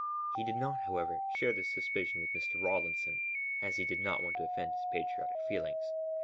He did not, however, share this suspicion with Mr. Rawlinson as he did not want to offend his patriotic feelings.